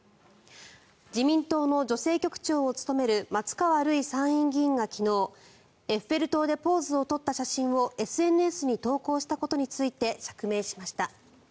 自民党の女性局長を務める松川るい参院議員が昨日エッフェル塔でポーズを取った写真をＳＮＳに投稿したことについて釈明しました。